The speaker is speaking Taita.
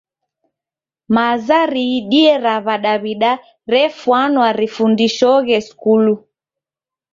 Maza riidie ra w'adawida refwana rifundishoghe skulu.